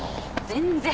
全然。